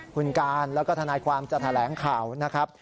คุณการแล้วก็ทนายความจะแถลงข่าวนะครับ